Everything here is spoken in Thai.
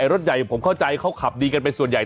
รถใหญ่ผมเข้าใจเขาขับดีกันเป็นส่วนใหญ่